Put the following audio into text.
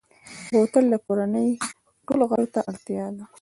بوتل د کورنۍ ټولو غړو ته اړتیا ده.